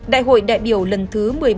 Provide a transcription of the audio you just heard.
đại hội đại biểu lần thứ một mươi bảy